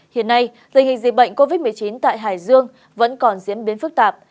hiện nay tình hình dịch bệnh covid một mươi chín tại hải dương vẫn còn diễn biến phức tạp